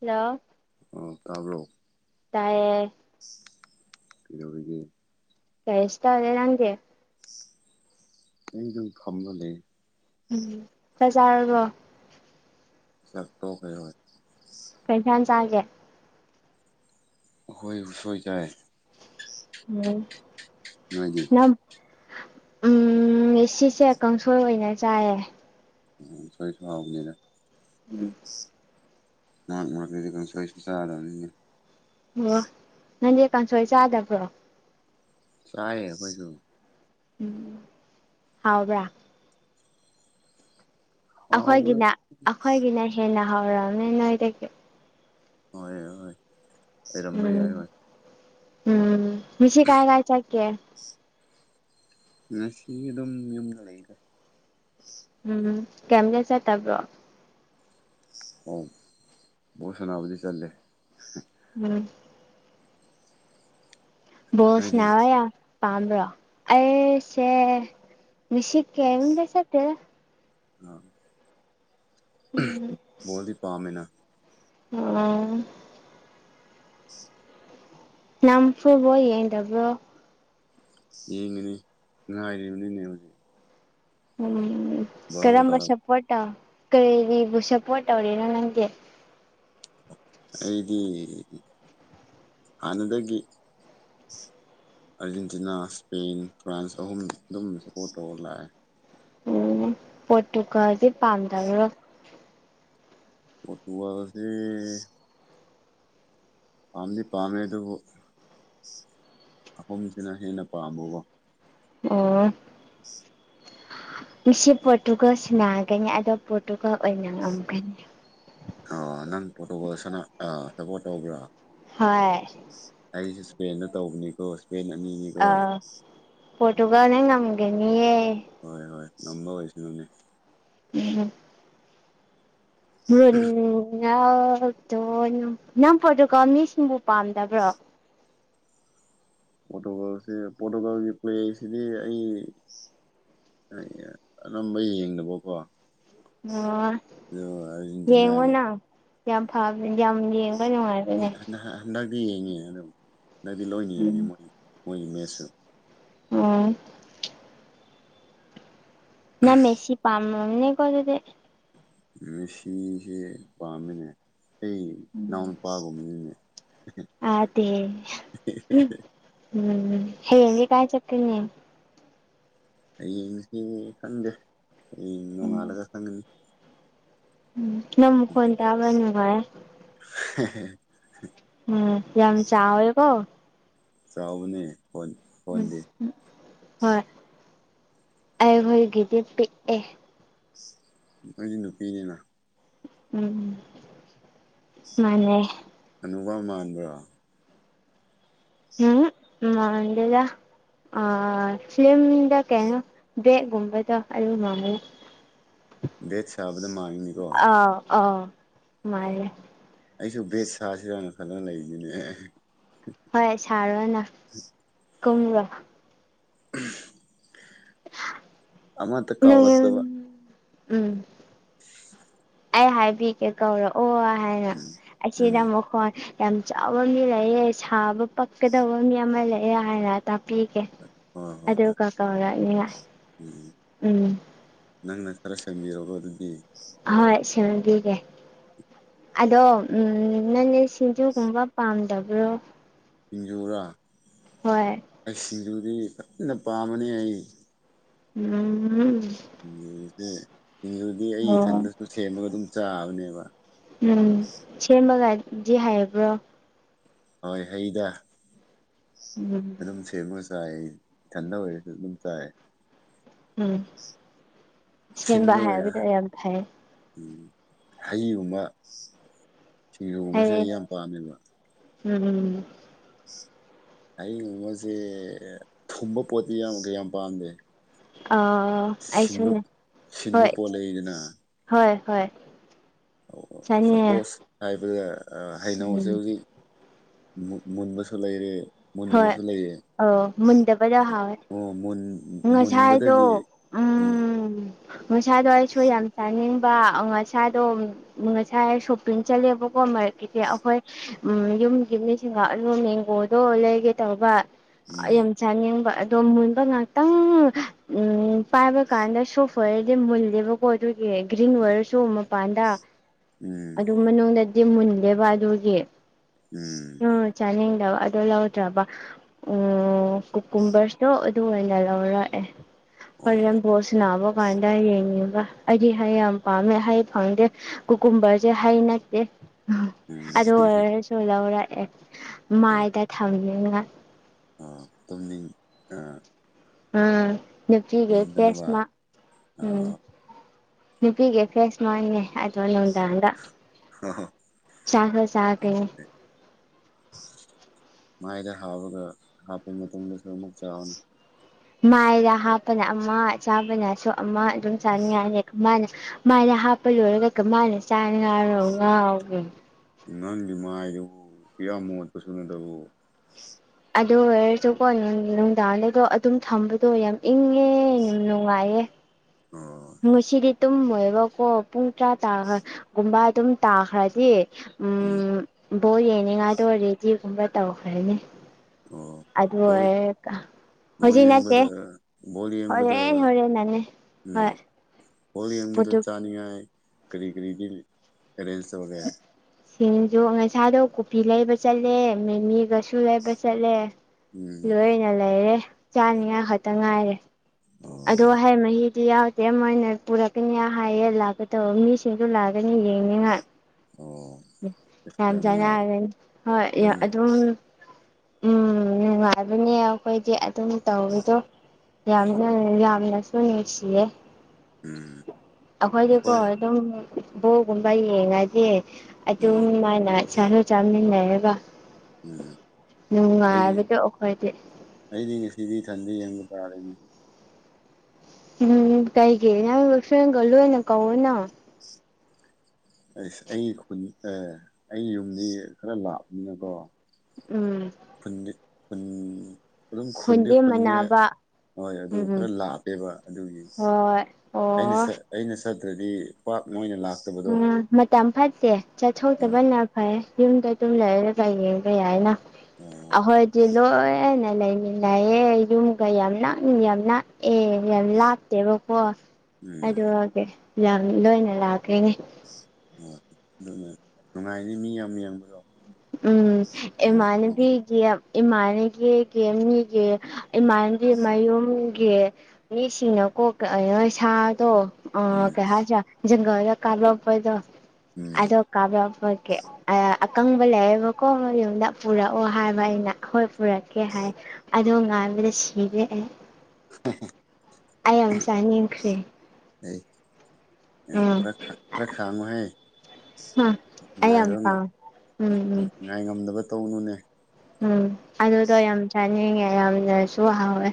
hello ꯇꯥꯕ꯭ꯔꯣ ꯇꯥꯏꯌꯦ ꯀꯩꯗꯧꯔꯤꯒꯦ ꯀꯩꯁꯨ ꯇꯧꯗꯦ ꯅꯪꯗꯤ ꯑꯩ ꯑꯗꯨꯝ ꯐꯝꯃꯒ ꯂꯩ ꯎꯝ ꯆꯥꯛ ꯆꯥꯔꯕꯣ ꯆꯥꯛ ꯇꯣꯛꯈ꯭ꯔꯦ ꯀꯩꯁꯥꯡ ꯆꯥꯒꯦ ꯑꯈꯣꯏ ꯎꯁꯣꯏ ꯆꯥꯏ ꯎꯝ ꯅꯣꯏꯗꯤ ꯌꯥꯝ ꯎꯝ ꯁꯤꯁꯦ ꯀꯥꯡꯁꯣꯏ ꯑꯣꯏꯅ ꯆꯥꯏꯌꯦ ꯎꯝ ꯁꯣꯏꯁꯨ ꯍꯥꯎꯕꯅꯤꯅ ꯎꯝ ꯃꯔꯛ ꯃꯔꯛꯇꯗꯤ ꯀꯥꯡꯁꯣꯢꯁꯨ ꯆꯥꯒꯗꯕꯅꯤꯅꯦ ꯑꯣ ꯅꯪꯗꯤ ꯀꯥꯡꯁꯣꯏ ꯆꯥꯗꯕ꯭ꯔꯣ ꯆꯥꯏꯌꯦ ꯑꯩꯈꯣꯏꯁꯨ ꯎꯝ ꯍꯥꯎꯕ꯭ꯔꯥ ꯍꯥꯎꯕ ꯍꯣꯏ ꯑꯩꯈꯣꯏꯒꯤꯅ ꯑꯩꯈꯣꯏꯒꯤꯅ ꯍꯦꯟꯅ ꯍꯧꯔꯝꯅꯤ ꯅꯣꯏꯗꯒꯤ ꯍꯣꯏ ꯍꯣꯏ ꯑꯣꯏꯔꯝꯕ ꯎꯝ ꯌꯥꯏ ꯎꯝ ꯉꯁꯤ ꯀꯥꯏ ꯀꯥꯢ ꯆꯠꯀꯦ ꯉꯁꯤ ꯑꯗꯨꯝ ꯌꯨꯝꯗ ꯂꯩꯗ ꯎꯝ ꯀꯩꯝꯇ ꯆꯠꯇꯕ꯭ꯔꯣ ꯑꯥ ꯕꯣꯜ ꯁꯥꯅꯕꯗꯤ ꯆꯠꯂꯦ ꯎꯝ ꯕꯣꯜ ꯅꯣꯏꯗꯤ ꯁꯥꯅꯕ ꯌꯥꯝ ꯄꯥꯝꯕ꯭ꯔꯣ ꯑꯩꯁꯦ ꯉꯁꯤ ꯀꯩꯝꯇ ꯆꯠꯇꯦꯗ ꯑ ꯎꯝ ꯕꯣꯜꯗꯤ ꯄꯥꯝꯃꯦꯅ ꯎꯝ [inaudible] ꯅꯪ ꯐꯨꯠꯕꯣꯜ ꯌꯦꯡꯗꯕ꯭ꯔꯣ ꯌꯦꯡꯉꯅꯤ ꯉꯥꯏꯔꯤꯕꯅꯤꯅꯦ ꯍꯧꯖꯤꯛ ꯎꯝ ꯕꯥꯔꯣ ꯀꯔꯝꯕ ꯇꯥꯔꯛ ꯁꯞꯄꯣꯔꯠ ꯇꯧ ꯀꯔꯤꯕꯨ ꯁꯞꯄꯣꯔꯠ ꯇꯧꯔꯤꯅꯣ ꯅꯪꯗꯤ ꯑꯩꯗꯤ ꯍꯥꯟꯅꯗꯒꯤ ꯑꯥꯔꯖꯦꯟꯇꯤꯅꯥ ꯏꯁꯄꯦꯟ ꯐ꯭ꯔꯥꯟꯁ ꯑꯍꯨꯝ ꯑꯗꯨꯝ ꯁꯞꯄꯣꯔꯠ ꯇꯧꯔ ꯂꯥꯛꯑꯦ ꯎꯝ ꯄꯣꯔꯇꯨꯒꯜꯗꯤ ꯄꯥꯝꯗꯕꯔ꯭ ꯄꯣꯔꯇꯨꯒꯜ ꯁꯤ ꯄꯥꯝꯗꯤ ꯄꯥꯝꯃꯦ ꯑꯗꯨꯕꯨ ꯑꯍꯨꯝꯁꯤꯅ ꯍꯦꯟꯅ ꯄꯥꯝꯕꯀꯣ ꯑꯣ [inaudible] ꯉꯥꯁꯤ ꯄꯣꯔꯇꯨꯒꯜ ꯁꯤꯅꯥꯒꯅꯤ ꯑꯗꯣ ꯄꯣꯔꯇꯨꯒꯜ ꯑꯣꯏꯅ ꯉꯝꯒꯅꯤ ꯑꯣ ꯅꯪ ꯄꯣꯔꯇꯨꯒꯂ ꯁꯅ ꯁꯄꯣꯔꯠ ꯇꯧꯕ꯭ꯔꯥ ꯍꯣꯏ ꯑꯩꯁꯨꯦ ꯏꯁꯄꯦꯟꯗ ꯇꯧꯕꯅꯤꯀꯣ ꯏꯁꯄꯦꯟ ꯑꯅꯤꯅꯤꯀꯣ ꯄꯣꯔꯇꯨꯒꯜ ꯅꯥ ꯉꯝꯒꯅꯤꯌꯦ ꯍꯣꯏ ꯍꯣꯏ ꯉꯝꯕ ꯑꯣꯏꯁꯅꯨꯅꯦ ꯎꯝ ꯃꯨꯛꯇꯣ ꯅꯝꯐꯗꯨꯀꯣ [unintelligible] ꯅꯪ ꯄꯣꯔꯇꯨꯒꯜ ꯃꯤꯁꯤꯡꯕꯨ ꯄꯥꯝꯗꯕ꯭ꯔꯣ ꯄꯣꯔꯇꯣꯒꯜꯁꯦ ꯄꯣꯔꯇꯣꯒꯜꯒꯤ ꯄꯂ꯭ꯑꯦ ꯁꯤꯗꯤ ꯑꯩ ꯑꯅꯝꯕ ꯌꯦꯡꯗꯕꯀꯣ ꯑꯣ ꯑ ꯌꯦꯡꯉꯣ ꯑꯔꯖꯦꯟꯇꯤꯅꯥꯒ ꯅꯪ ꯌꯥꯝ ꯐꯕꯅꯦ ꯌꯥꯝ ꯌꯦꯡꯕ ꯅꯨꯡꯉꯥꯏꯕꯅꯦ ꯍꯟꯗꯛ ꯍꯟꯗꯛꯇꯤ ꯌꯦꯡꯉꯤ ꯑꯗꯨꯝ ꯍꯟꯗꯛꯇꯤ ꯂꯣꯏꯅ ꯌꯦꯡꯉꯤ ꯎꯝ ꯃꯣꯏ ꯃꯣꯏꯒꯤ ꯃꯦꯁꯁꯨ ꯎꯝ ꯅꯪ ꯃꯦꯁꯤ ꯄꯥꯝ ꯃꯝ ꯅꯤꯀꯣ ꯑꯗꯨꯗꯤ ꯃꯦꯁꯤꯁꯦ ꯄꯥꯝꯃꯤꯅꯦ ꯑꯩ ꯏꯅꯥꯎ ꯅꯨꯄꯥꯒꯨꯝꯕꯅꯤꯅꯦ ꯑꯗ ꯎꯝ ꯍꯡꯦ ꯀꯥꯏ ꯆꯠꯀꯅꯤ ꯍꯌꯦꯡꯁꯤ ꯈꯪꯗꯦ ꯍꯌꯦꯡ ꯅꯣꯡꯉꯥꯜꯂꯒ ꯈꯪꯒꯅꯤ ꯎꯝ ꯅꯪ ꯃꯈꯣꯟ ꯇꯥꯕ ꯅꯨꯪꯉꯥꯏ ꯍꯦ ꯍꯦ [inaudible] ꯎꯝ ꯌꯥꯝ ꯆꯥꯎꯏꯀꯣ ꯆꯥꯎꯕꯅꯦ ꯐꯣꯟ ꯎꯝ ꯐꯣꯟꯗꯤ ꯍꯣꯏ ꯑꯩꯈꯣꯏꯒꯤꯗꯤ ꯄꯤꯛꯑꯦ ꯅꯣꯏꯗꯤ ꯅꯨꯄꯤꯅꯦꯅ ꯎꯝ ꯃꯥꯅꯦ ꯍꯥꯅꯨꯕ ꯃꯥꯟꯕ꯭ꯔꯥ ꯎꯝ ꯃꯥꯟꯗꯦꯗꯥ ꯑ ꯐꯤꯂꯝꯗ ꯀꯩꯅꯣ ꯕꯦꯠꯒꯨꯝꯕꯗꯣ ꯑꯗꯨ ꯃꯥꯟꯕꯅꯦ ꯕꯦꯠ ꯁꯕꯗ ꯃꯥꯥꯟꯕꯅꯤ ꯑ ꯑ ꯃꯥꯜꯂꯦ ꯑꯩꯁꯨ ꯕꯦꯠ ꯁꯥꯁꯤꯔꯅ ꯈꯟꯂꯒꯥ ꯂꯩꯔꯤꯅꯦ ꯍꯣꯏ ꯁꯥꯔꯣꯅ ꯀꯨꯝꯒꯔꯣ ꯑꯃꯠꯇ ꯅꯪ ꯀꯥꯎꯔꯛꯇꯕ ꯎꯝ [inaudible] ꯑꯩ ꯍꯥꯏꯕꯤꯒꯦ ꯀꯧꯔꯛꯑꯣ ꯍꯥꯏꯅ ꯎꯝ ꯑꯁꯤꯗ ꯎꯝ ꯑꯃꯨꯛ ꯍꯣꯟ ꯌꯥꯝ ꯆꯥꯎꯕ ꯃꯤ ꯂꯩꯑꯦ ꯁꯥꯕ ꯄꯛꯀꯗꯕ ꯃꯤ ꯑꯃ ꯂꯩꯑꯦ ꯍꯥꯏꯅ ꯇꯥꯛꯄꯤꯒꯦ ꯍꯣꯏ ꯍꯣꯏ ꯑꯗꯣ ꯍꯣꯏ ꯀꯥꯀꯥ ꯑꯣꯏꯒꯉ ꯎꯝ ꯎꯝ ꯅꯪꯅ ꯈꯔ ꯁꯦꯝꯕꯤꯔꯒ ꯑꯗꯨꯗꯤ ꯍꯣꯏ ꯁꯤꯅꯕꯤꯒꯦ ꯑꯗꯣ ꯅꯪ ꯁꯤꯡꯖꯨꯒꯨꯝꯕ ꯄꯥꯝꯗꯕ꯭ꯔꯣ ꯁꯤꯡꯖꯨꯔꯥ ꯍꯣꯏ ꯑꯩꯁ ꯁꯤꯡꯖꯨꯗꯤ ꯐꯖꯅ ꯄꯥꯝꯕꯅꯤ ꯑꯩ ꯎꯝ ꯁꯤꯡꯖꯨꯁꯦ ꯁꯤꯡꯖꯨꯗꯤ ꯑꯩ ꯑꯣ ꯏꯊꯟꯗꯁꯨ ꯁꯦꯝꯃꯒ ꯑꯗꯨꯝ ꯆꯥꯕꯅꯦꯕ ꯎꯝ ꯁꯦꯝꯃꯒꯗꯤ ꯍꯥꯏꯕ꯭ꯔꯣ ꯍꯣꯏ ꯍꯩꯗ ꯎꯝ ꯑꯗꯨꯝ ꯁꯦꯝꯃꯥꯒ ꯆꯥꯏ ꯏꯊꯟꯗꯥ ꯑꯣꯏꯔꯁꯨ ꯑꯗꯨꯝ ꯆꯥꯏ ꯎꯝ ꯁꯦꯝꯕ ꯍꯩꯕꯗꯣ ꯌꯥꯝ ꯐꯩ ꯎ ꯍꯩꯒꯨꯝꯕ ꯁꯤꯡꯖꯨꯒꯨꯝꯕꯁꯦ ꯑꯩ ꯍꯥꯏꯌꯦ ꯌꯥꯝ ꯄꯥꯝꯃꯦꯕ ꯎꯝ ꯎꯝ ꯍꯩꯒꯨꯝꯕꯁꯦ ꯊꯨꯝꯕ ꯄꯣꯠꯇꯤ ꯌꯥꯝ ꯀꯩ ꯌꯥꯝ ꯄꯥꯝꯗꯦ ꯑꯣ ꯁꯤꯟꯕ ꯑꯩꯁꯨꯅꯦ ꯁꯤꯟꯕ ꯍꯣꯏ ꯄꯣꯠ ꯂꯩꯗꯅ ꯍꯣꯏ ꯍꯣꯏ ꯑꯣ ꯑꯣ ꯆꯥꯅꯤꯡꯉꯦ ꯁꯄꯣꯁ ꯍꯥꯏꯕꯗ ꯑꯥ ꯍꯩꯅꯧꯁꯦ ꯎꯝ ꯍꯧꯖꯤꯛ ꯃꯨꯟꯕꯁꯨ ꯂꯩꯔꯦ ꯃꯨꯟꯗꯕꯁꯨ ꯂꯩꯔꯦ ꯑꯣ ꯃꯨꯟꯗꯕꯅ ꯍꯥꯎꯋꯦ ꯉꯁꯥꯏꯗꯣ ꯃꯨꯟꯕꯗꯒꯤ ꯎꯝ ꯉꯁꯥꯏꯗꯣ ꯑꯩꯁꯨ ꯌꯥꯝ ꯆꯥꯅꯤꯡ ꯕꯥ ꯉꯁꯥꯏꯗꯣ ꯉꯁꯥꯏ ꯁꯣꯄꯤꯡ ꯆꯠꯂꯦꯕꯀꯣ ꯃꯥꯔꯀꯦꯠꯇꯤ ꯑꯩꯈꯣꯏ ꯎꯝ ꯌꯨꯝꯒꯤ ꯃꯤꯁꯤꯡꯒ ꯑꯗꯨ ꯃꯦꯡꯒꯣꯗꯣ ꯂꯩꯒꯦ ꯇꯧꯕ ꯎꯝ ꯌꯥꯝ ꯆꯥꯅꯤꯡꯕ ꯑꯗꯣ ꯃꯨꯟꯕ ꯉꯥꯛꯇꯪ ꯎꯝ ꯄꯥꯏꯕ ꯀꯥꯟꯗꯁꯨ [unintelligible] ꯃꯨꯜꯂꯦꯕꯀꯣ ꯑꯗꯨꯒꯤ ꯒ꯭ꯔꯤꯟ ꯑꯣꯏꯔꯁꯨ ꯃꯄꯥꯟꯗ ꯎꯝ ꯑꯗꯨ ꯃꯅꯨꯡꯗ ꯗꯤ ꯃꯨꯟꯗꯦꯕ ꯑꯗꯨꯒꯤ ꯎꯝ ꯆꯥꯅꯤꯡꯗꯕ ꯑꯗꯣ ꯂꯧꯗ꯭ꯔꯥꯕ ꯎꯝ ꯀꯨ ꯀꯨꯝꯕꯔꯁꯇꯣ ꯑꯗꯨ ꯑꯣꯏꯅ ꯂꯧꯔꯛꯑꯦ ꯑꯣ ꯍꯣꯔꯦꯟ ꯕꯣꯜ ꯁꯥꯟꯅꯕ ꯗꯨꯀꯥꯟꯗ ꯌꯦꯡꯅꯤꯡꯕ ꯑꯩꯗꯤ ꯍꯩ ꯌꯥꯝ ꯄꯥꯝꯃꯦ ꯍꯩ ꯐꯪꯗꯦ ꯀꯨꯀꯨꯝꯕꯔꯁꯦ ꯍꯩ ꯅꯠꯇꯦ ꯎꯝ ꯑꯗꯨ ꯑꯣꯏꯔꯁꯨ ꯂꯧꯔꯛꯑꯦ ꯑꯣ ꯃꯥꯏꯗ ꯊꯝꯅꯤꯡꯉꯥꯏ ꯑꯣ ꯇꯨꯝꯅꯤꯡ ꯑꯥ ꯑꯥ ꯅꯨꯄꯤꯒꯤ ꯐꯦꯁ ꯇꯨꯝꯗꯅꯕ ꯃꯥꯛ ꯑ ꯎꯝ ꯅꯨꯄꯤꯒꯤ ꯐ꯭ꯔꯦꯁ ꯃꯥꯏꯅꯦ ꯍꯥꯏ [unintelligible] ꯅꯨꯡꯗꯥꯡꯗꯥ ꯆꯥꯛ ꯈꯔꯥ ꯆꯥꯐꯩꯌꯦ ꯃꯥꯏꯗ ꯍꯥꯎꯔꯒ ꯍꯥꯞꯄ ꯃꯇꯨꯡꯗꯁꯨ ꯑꯃꯨꯛ ꯆꯥꯎꯅꯦ ꯃꯥꯏꯗ ꯍꯥꯞꯄꯅ ꯑꯃ ꯆꯥꯕꯅꯁꯨ ꯑꯃ ꯑꯗꯨꯝ ꯆꯥꯅꯤꯡꯉꯥꯏꯅꯤ ꯃꯥꯏꯅ ꯃꯥꯏꯗ ꯍꯥꯞꯄ ꯂꯣꯏꯔꯒ ꯀꯃꯥꯏꯅ ꯆꯥꯅꯤꯉꯥꯔꯣ ꯉꯥꯎꯕ꯭ꯔꯣ ꯅꯪꯒꯤ ꯃꯥꯏꯗꯨꯕꯨ ꯃꯤꯌꯥꯝ ꯃꯣꯠꯄꯁꯨ ꯅꯠꯇꯕꯀꯣ ꯑꯗꯨ ꯑꯣꯏꯔꯁꯨꯀꯣ ꯅꯨꯡꯗꯥꯡꯗꯀꯣ ꯑꯗꯨꯝ ꯊꯝꯕꯗꯣ ꯌꯥꯝ ꯏꯪꯉꯦ ꯅꯨꯡꯉꯥꯏꯌꯦ ꯑꯣ ꯉꯁꯤꯗꯤ ꯇꯨꯝꯃꯣꯏꯕꯀꯣ ꯄꯨꯡ ꯇꯔꯥ ꯇꯥꯈꯒꯨꯝꯕ ꯑꯗꯨꯝ ꯇꯥꯈ꯭ꯔꯗꯤ ꯎꯝ ꯕꯣꯠ ꯌꯦꯡꯅꯤꯡꯉꯥꯏꯗꯣ ꯔꯦꯗꯤꯒꯨꯝꯕ ꯇꯧꯈ꯭ꯔꯅꯤ ꯑꯣ ꯑꯗꯨ ꯍꯣꯏ ꯑꯣꯏꯔꯒ ꯕꯣꯜ ꯍꯧꯖꯤꯛ ꯌꯦꯡꯕꯗ ꯅꯠꯇꯦ ꯕꯣꯜ ꯌꯦꯡꯕꯗ ꯍꯣꯔꯦꯟ ꯍꯣꯔꯦꯟꯅꯅꯦ ꯎꯝ ꯍꯣꯏ ꯕꯣꯜ ꯌꯦꯡꯕꯗ ꯄꯣꯔꯇꯨ ꯆꯥꯅꯤꯡꯉꯥꯏ ꯀꯔꯤ ꯀꯔꯤꯗꯤ ꯑꯦꯔꯦꯟꯖ ꯇꯧꯔꯒꯦ ꯁꯤꯡꯖꯨ ꯉꯁꯥꯗꯣ ꯀꯨꯞꯄꯤ ꯂꯩꯕ ꯆꯠꯂꯦ ꯃꯃꯤꯒ ꯨ ꯑꯗꯨ ꯂꯩꯕ ꯆꯠꯂꯦ ꯎꯝ ꯂꯣꯏꯅ ꯂꯩꯔꯦ ꯆꯥꯅꯤꯉꯥꯏ ꯈꯛꯇ ꯉꯥꯏꯔꯦ ꯑꯗꯣ ꯑꯣ ꯍꯩ ꯃꯥꯍꯤ ꯗꯤ ꯌꯥꯎꯗꯦ ꯃꯣꯏꯅ ꯄꯨꯔꯛꯀꯅꯤ ꯍꯥꯏꯌꯦ ꯂꯥꯛꯀꯗꯧꯕ ꯃꯤꯁꯤꯡꯗꯨꯅꯥ ꯂꯥꯛꯀꯅꯤ ꯌꯦꯡꯅꯤꯉꯥꯏ ꯑꯣ ꯑꯁ ꯌꯥꯝ ꯅꯨꯡꯉꯥꯏ ꯆꯥꯅꯒꯅꯤ ꯍꯣꯏ ꯌꯥꯝ ꯑꯗꯨꯝ ꯎꯝ ꯅꯨꯉꯥꯏꯕꯅꯦ ꯑꯩꯈꯣꯏꯖꯦ ꯑꯗꯨꯝ ꯇꯧꯋꯗꯣ ꯑꯣ ꯌꯥꯝꯅ ꯌꯥꯝꯅꯁꯨ ꯅꯨꯡꯁꯤꯌꯦ ꯎꯝ ꯑꯩꯈꯣꯏꯗꯤꯀꯣ ꯑꯩꯈꯣꯏ ꯑꯗꯨꯝ ꯕꯣꯜ ꯒꯨꯝꯕ ꯌꯦꯡꯉꯗꯤ ꯑꯗꯨꯝ ꯎꯝ ꯃꯥꯏꯅꯥꯥ ꯆꯥꯃꯤꯟꯅꯩꯌꯦꯕꯥ ꯎꯝ ꯑꯩꯗꯤ ꯑꯩꯈꯣꯏꯗꯤ ꯑꯩꯗꯤ ꯉꯁꯤꯗꯤ ꯏꯊꯟꯗꯥ ꯌꯦꯡꯕ ꯇꯥꯔꯦ ꯎꯝ ꯀꯩꯒꯤ ꯅꯪꯖꯨ ꯐꯔꯦꯟꯒꯥ ꯂꯣꯏꯅ ꯀꯧꯑꯣꯅ ꯑꯩ ꯈꯨꯟ ꯑꯦ ꯑꯩ ꯌꯨꯝꯗꯤ ꯈꯔ ꯂꯥꯛꯄꯅꯤꯅꯀꯣ ꯎꯝ ꯈꯨꯟꯗꯤ ꯈꯨꯟ ꯑꯗꯨꯨꯝ ꯈꯨꯟꯗꯤ ꯈꯨꯟꯅꯦ ꯍꯣꯏ ꯑꯗꯨ ꯈꯔ ꯎꯝ ꯂꯥꯞꯄꯦꯕ ꯑꯗꯨꯒꯤ ꯍꯣꯏ ꯑꯩꯅꯥ ꯑꯣ ꯑꯩꯅ ꯆꯠꯇ꯭ꯔꯗꯤ ꯄꯥꯛ ꯃꯣꯏꯅ ꯂꯥꯛ ꯎꯝ ꯃꯇꯝ ꯐꯠꯇꯦ ꯎꯝ ꯆꯠꯊꯣꯛꯇꯕꯅꯥ ꯐꯥꯌꯦ ꯌꯨꯝꯗ ꯑꯗꯨꯝ ꯂꯩꯔꯒ ꯌꯦꯡꯕ ꯌꯥꯏꯅ ꯎꯝ ꯑꯩꯈꯣꯏꯗꯤ ꯂꯣꯏꯅ ꯂꯩꯃꯤꯟꯅꯩꯌꯦ ꯌꯨꯝꯒ ꯌꯥꯝ ꯅꯛꯅꯥ ꯌꯥꯝ ꯅꯛꯑꯦ ꯌꯥꯝ ꯂꯥꯞ ꯇꯦꯕꯥꯀꯣ ꯎꯝ ꯑꯗꯨꯒꯤ ꯌꯥꯝ ꯂꯣꯏꯅ ꯂꯥꯛꯈꯔꯦ ꯍꯣꯏ ꯑꯗꯨꯅꯦ ꯅꯨꯡꯉꯥꯏꯅꯤ ꯃꯤ ꯌꯥꯝ ꯌꯥꯝꯕꯗꯣ ꯎꯝ ꯏꯃꯥꯟꯅꯕꯤꯒꯤ ꯏꯃꯥꯅꯒꯦ ꯃꯤꯒꯤ ꯏꯃꯥꯟꯕꯤ ꯃꯌꯨꯝꯒꯤ ꯃꯤꯁꯤꯡꯅꯀꯣ ꯁꯥꯗꯣ ꯑꯣ ꯎꯝ ꯀꯩ ꯍꯥꯏꯁꯤꯔꯥ ꯖꯪꯒꯜꯗ ꯀꯥꯞꯂꯛꯄꯗꯣ ꯎꯝ ꯑꯗꯣ ꯀꯥꯞꯔꯛꯄꯒꯤ ꯑꯀꯪꯕ ꯂꯩꯌꯦꯕꯀꯣ ꯃꯣꯏ ꯌꯨꯝꯗ ꯄꯨꯔꯛꯑꯣ ꯍꯥꯏꯕ ꯑꯩꯅ ꯍꯣꯏ ꯄꯨꯔꯛꯀꯦ ꯍꯥꯏ ꯑꯗꯣ ꯉꯥꯏꯕꯗ ꯁꯤꯔꯦ ꯑꯩ ꯌꯥꯝ ꯆꯥꯅꯤꯡꯈꯔꯦ ꯂꯩ ꯑꯦ ꯈꯔꯥ ꯈꯔꯥ ꯈꯥꯛꯑꯝꯃꯣꯍꯦ ꯑꯩ ꯉꯥꯏꯔꯣ ꯌꯥꯝ ꯄꯥꯝ ꯎꯝ ꯉꯥꯏ ꯉꯝꯗꯕꯥ ꯇꯧꯅꯨꯅꯦ ꯎꯝ ꯑꯗꯨꯗꯣ ꯌꯥꯝ ꯆꯥꯅꯤꯡꯉꯦ ꯌꯥꯝꯅꯁꯨ ꯍꯥꯎꯋꯦ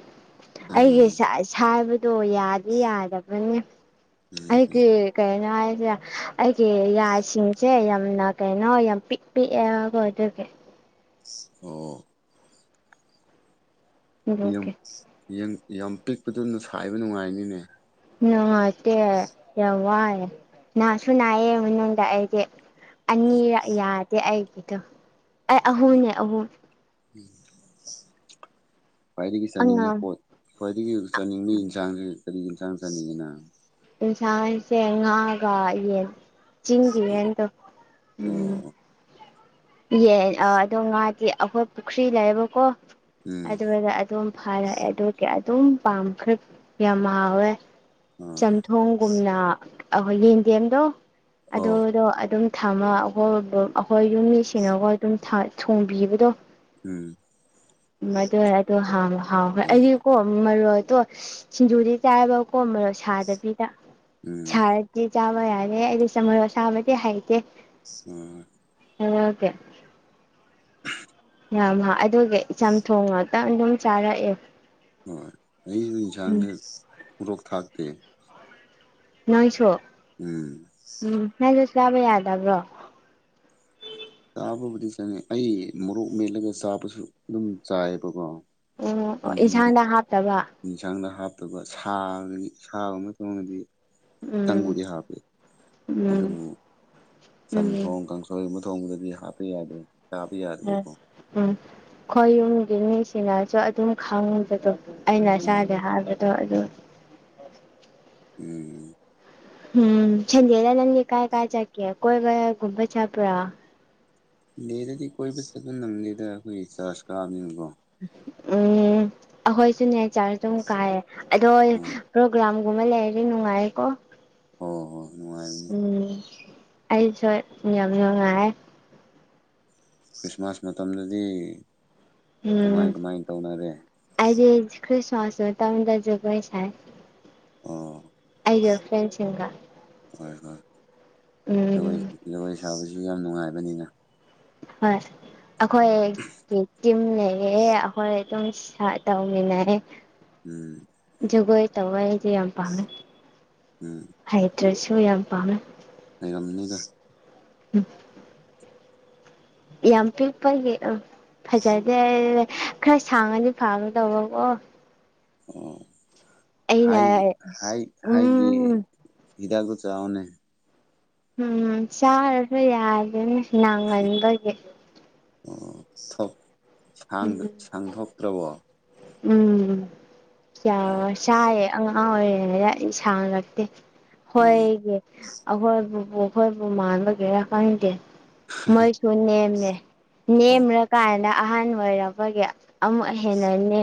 ꯑꯩꯒꯤ ꯎꯝ ꯁꯥꯏꯕꯗꯣ ꯌꯥꯗꯤ ꯌꯥꯗꯕꯅꯦ ꯎꯝ ꯎꯝ ꯑꯩꯒꯤ ꯀꯩꯅꯣ ꯍꯥꯏꯁꯤꯔꯥ ꯑꯩꯒꯤ ꯌꯥꯁꯤꯡꯁꯦ ꯌꯥꯝꯅ ꯀꯩꯅꯣ ꯌꯥꯝ ꯄꯤꯛ ꯄꯤꯛꯑꯦꯕꯥꯀꯣ ꯑꯗꯨꯒꯤ ꯑꯣ ꯑꯗꯨꯒꯤ ꯌꯥꯝ ꯄꯤꯛꯄꯗꯨꯅ ꯁꯥꯏꯕ ꯅꯨꯡꯉꯥꯏꯅꯤꯗꯥ ꯅꯨꯉꯥꯏꯇꯦ ꯌꯥꯝꯋꯥꯏ ꯅꯥꯁꯨ ꯅꯥꯏꯌꯦ ꯃꯅꯨꯡꯗ ꯑꯩꯗꯤ ꯑꯅꯤ ꯑꯣ ꯌꯥꯗꯦ ꯑꯩꯒꯤꯗꯣ ꯑꯩ ꯑꯍꯨꯝꯅꯦ ꯑꯍꯨꯝ ꯈ꯭ꯋ꯭ꯥꯏꯗꯒꯤ ꯆꯥꯅꯤꯡꯕꯥ ꯑꯉꯥꯡ ꯄꯣꯠ ꯈ꯭ꯋꯥꯏꯗꯒꯤ ꯆꯥꯅꯤꯡꯕ ꯌꯦꯟꯁꯥꯡꯁꯦ ꯀꯔꯤ ꯌꯦꯟꯁꯥꯡ ꯆꯥꯅꯤꯡꯉꯤꯅ ꯏꯟꯁꯥꯡꯁꯦ ꯉꯥꯒ ꯌꯦꯟ ꯑꯣ ꯆꯤꯡꯒꯤꯌꯦꯟꯗꯣ ꯎꯝ ꯑꯣ ꯌꯦꯟ ꯑꯥ ꯑꯗꯣ ꯉꯥꯗꯤ ꯑꯩꯈꯣꯏ ꯄꯨꯈ꯭ꯔꯤ ꯂꯩꯌꯦꯕꯀꯣ ꯎꯝ ꯑꯗꯨ ꯑꯗꯨꯝ ꯐꯥꯔꯛꯑꯦ ꯑꯗꯨꯒꯤ ꯑꯗꯨꯝ ꯄꯥꯝꯈ꯭ꯔꯦ ꯌꯥꯝ ꯍꯥꯎꯋꯦ ꯑ ꯍꯣꯏ ꯆꯝꯊꯣꯡꯒꯨꯝꯅ ꯑꯩꯈꯣꯏ ꯌꯦꯟꯗꯦ ꯑꯧ ꯑꯗꯨꯗꯣ ꯑꯗꯨꯝ ꯊꯝꯃ ꯑꯩꯈꯣꯏ ꯑꯩꯈꯣꯏ ꯌꯨꯝꯒꯤ ꯃꯤꯁꯤꯡꯅꯥ ꯑꯗꯨꯝ ꯊꯣꯡꯕꯤꯕꯗꯣ ꯎꯝ ꯍꯥꯎ ꯍꯥꯎꯋꯦ ꯑ ꯑꯩ ꯀꯣ ꯃꯔꯣꯗꯣ ꯁꯤꯡꯖꯨꯗꯤ ꯆꯥꯏꯕꯀꯣ ꯃꯔꯣ ꯁꯥꯗꯕꯤꯗ ꯎꯝ ꯁꯥꯔ ꯗꯤ ꯆꯥꯕ ꯌꯥꯌꯦ, ꯑꯩꯗꯤ ꯁꯥ ꯃꯔꯣꯛ ꯑꯁꯕꯗꯤ ꯍꯩꯇꯦ ꯑ ꯑ ꯉ ꯀꯦ ꯌꯥꯝ ꯑꯗꯨꯒꯤꯆꯝꯊꯣꯡ ꯉꯥꯛꯇꯪ ꯑꯗꯨꯝ ꯆꯥꯔꯛꯑꯦ ꯍꯣꯏ ꯑꯩ ꯎꯝ ꯏꯟꯁꯥꯡꯗ ꯄꯣꯔꯣꯛ ꯊꯥꯛꯇꯦ ꯅꯣꯏꯁꯨ ꯎꯝ ꯎꯝ ꯅꯪꯁꯨ ꯆꯥꯕ ꯌꯥꯗꯕ꯭ꯔꯣ ꯆꯥꯕꯕꯨꯗꯤ ꯆꯪꯉꯦ ꯑꯩ ꯃꯣꯔꯣꯛ ꯃꯦꯠꯂꯒ ꯆꯥꯕꯁꯨ ꯑꯗꯨꯝ ꯆꯥꯏꯌꯦꯕꯀꯣ ꯎꯝ ꯑꯣ ꯎꯝꯍ ꯏꯟꯁꯥꯡꯗ ꯍꯥꯞꯇꯕ ꯌꯦꯟꯁꯥꯡꯗ ꯍꯥꯞꯇꯕ ꯁꯥ ꯁꯒꯨꯝꯕ ꯇꯨꯡꯗꯗꯤ ꯎꯝ ꯇꯪꯕꯨꯗꯤ ꯍꯥꯞꯄꯦ ꯎꯝ ꯑꯗꯨꯕꯨ ꯎꯝ ꯎꯝ ꯆꯝꯊꯣꯡ ꯀꯥꯡꯁꯣꯏꯒꯨꯝꯕ ꯊꯣꯡꯕꯗꯗꯤ ꯍꯥꯞꯄ ꯌꯥꯗꯦ ꯆꯥꯕ ꯌꯥꯗꯕꯀꯣ ꯎꯝ ꯑꯩꯈꯣꯏ ꯌꯨꯝꯒꯤ ꯃꯤꯁꯤꯅꯁꯨ ꯑꯗꯨꯝ ꯈꯪꯕꯗꯣ ꯑꯩꯅ ꯎꯝ ꯏꯁꯥꯥꯗꯦ ꯍꯥꯏꯕꯗꯣ ꯑꯗꯨ ꯎꯝ ꯎꯝ ꯆꯟꯗꯦꯗ ꯅꯪꯒꯤ ꯀꯥꯏ ꯀꯥꯏ ꯆꯀꯦ ꯀꯣꯏꯕꯒꯨꯝꯕ ꯆꯄ꯭ꯔꯥ ꯗꯦꯗꯗꯤ ꯀꯣꯏꯕ ꯆꯠꯄ ꯅꯪꯗꯦꯗ ꯑꯩꯈꯣꯏꯒꯤ ꯆꯥꯔꯖ ꯀꯥꯕꯅꯤꯅꯀꯣ ꯎꯝ ꯑꯩꯈꯣꯏꯁꯨꯅꯦ ꯆꯥꯔ ꯑꯗꯨꯝ ꯀꯥꯏꯌꯦꯦ ꯑꯗꯣꯏ ꯎꯝ ꯄꯣꯒ꯭ꯔꯝꯒꯨꯝꯕ ꯂꯩꯔꯗꯤ ꯅꯨꯡꯉꯥꯏꯑꯀꯣ ꯑꯣ ꯍꯣ ꯅꯨꯡꯉꯥꯏ ꯎꯝ ꯑꯩꯁꯨ ꯌꯥꯝ ꯅꯨꯡꯉꯥꯏ ꯈ꯭ꯔꯤꯁꯃꯥꯁ ꯃꯇꯝꯗꯗꯤ ꯀꯃꯥꯏ ꯎꯝ ꯀꯃꯥꯏ ꯇꯧꯅꯔꯦ ꯈ꯭ꯔꯤꯁꯃꯁ ꯃꯇꯝꯗ ꯖꯒꯣꯏ ꯁꯥꯏ ꯑꯥ ꯑꯩꯒ ꯐ꯭ꯔꯦꯟꯁꯤꯡꯒ ꯍꯣꯏ ꯍꯣꯏ ꯒꯣꯏ ꯎꯝ ꯖꯒꯣꯏ ꯁꯥꯕꯁꯨ ꯌꯥꯝ ꯅꯨꯡꯉꯥꯏꯕꯅꯤꯅ ꯍꯣꯏ ꯑꯩꯈꯣꯏ ꯕꯤꯇꯤꯝ ꯂꯩꯌꯦ ꯑꯩꯈꯣꯏ ꯑꯗꯨꯝ ꯁꯥ ꯇꯧꯃꯤꯅꯩ ꯎꯝ ꯖꯒꯣꯏ ꯇꯧꯕ ꯑꯩꯗꯤ ꯌꯥꯝ ꯄꯥꯝꯃꯦ ꯎꯝ ꯍꯩꯇ꯭ꯔꯁꯨ ꯌꯥꯝ ꯄꯥꯝꯃꯦ ꯂꯩꯔꯝꯅꯤꯗ ꯎꯝ ꯌꯥꯝ ꯄꯤꯛꯄꯒꯤ ꯎꯍ ꯐꯖꯗꯦ ꯈꯔ ꯁꯥꯡꯉꯗꯤ ꯐꯒꯗꯧꯕꯀꯣ ꯎꯝ ꯑꯩꯅ ꯍꯥꯏ ꯍꯥꯏ ꯍꯥꯏꯒꯦ ꯎꯝ ꯍꯤꯗꯥꯛꯇꯣ ꯆꯥꯑꯣꯅꯦ ꯎꯝ ꯆꯥꯔꯁꯨ ꯌꯥꯒꯦꯅꯦ ꯅꯥꯥꯡꯒꯟꯕꯒꯤ ꯑꯣ ꯊꯣꯛ ꯁꯥꯡ ꯎꯝ ꯁꯥꯡꯊꯣꯛꯇ꯭ꯔꯕꯣ ꯎꯝ ꯌꯥ ꯆꯌꯦ ꯑꯉꯥꯡ ꯑꯣꯏꯔꯤꯉꯩꯗ ꯑꯩ ꯁꯥꯡꯔꯛꯇꯦ ꯑꯣ ꯍꯣꯏꯒꯤ ꯑꯈꯣꯏ ꯄꯨꯄꯨꯈꯣꯏꯕꯨ ꯃꯥꯟꯕꯒꯤꯔ ꯈꯪꯇꯦ ꯃꯣꯏꯁꯨ ꯅꯦꯝꯃꯦ ꯑꯣ ꯅꯦꯝꯔꯀꯥꯟꯗ ꯑꯍꯟ ꯑꯣꯏꯔꯕꯄꯒꯦ ꯑꯃꯨꯛ ꯍꯦꯟꯅ ꯅꯦ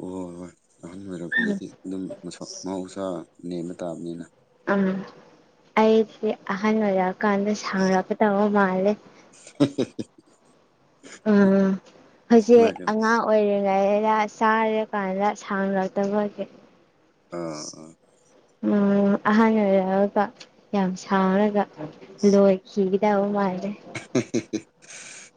ꯍꯣꯏ ꯍꯣꯏ ꯑꯍꯟ ꯑꯣꯏꯔꯛꯄꯒꯤꯗꯤ ꯑꯗꯨꯝ ꯃꯁꯥ ꯃꯍꯧꯁꯥ ꯅꯦꯝꯕ ꯇꯥꯕꯅꯤꯅ ꯎꯝ ꯑꯩꯁꯦ ꯑꯍꯜ ꯑꯣꯏꯔꯀꯥꯟꯗ ꯁꯥꯡꯔꯛꯄꯗꯧꯕ ꯃꯥꯜꯂꯦ [unintelligible] ꯎꯝ ꯑꯩꯁꯦ ꯑꯉꯥꯡ ꯑꯣꯏꯔꯤꯉꯩꯗ ꯆꯥꯔꯦ ꯀꯥꯟꯗ ꯁꯥꯡꯔꯛꯇꯕꯀꯤ ꯑꯥ ꯑꯥ ꯎꯝ ꯑꯍꯥꯟꯕ ꯑꯣꯏꯔꯛꯑꯒ ꯌꯥꯝ ꯁꯥꯎꯔꯒ ꯂꯣꯏꯈꯤ ꯌꯥꯕ ꯃꯥꯦ [unintelligible]